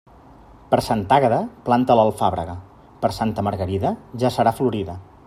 Per Santa Àgueda, planta l'alfàbrega; per Santa Margarida, ja serà florida.